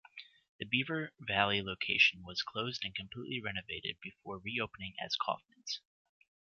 The Beaver Valley location was closed and completely renovated before reopening as Kaufmann's.